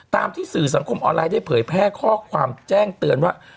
ที่สื่อสังคมออนไลน์ได้เผยแพร่ข้อความแจ้งเตือนว่า